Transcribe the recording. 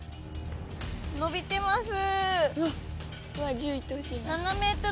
伸びてます。